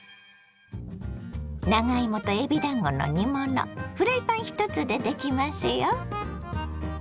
長芋とえびだんごの煮物フライパン１つでできますよ。